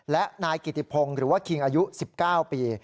และนายกิติพงศ์หรือว่าคิงอายุ๑๙ปี